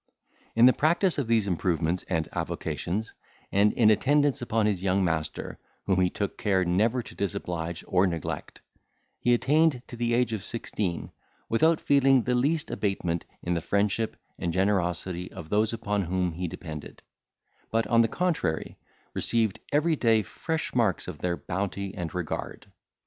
In the practice of these improvements and avocations, and in attendance upon his young master, whom he took care never to disoblige or neglect, he attained to the age of sixteen, without feeling the least abatement in the friendship and generosity of those upon whom he depended; but, on the contrary, receiving every day fresh marks of their bounty and regard.